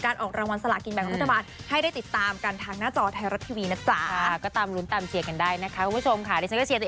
อ่ะคุณผู้ชมค่ะ